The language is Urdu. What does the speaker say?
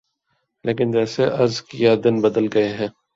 لیکن جیسے عرض کیا دن بدل گئے ہیں۔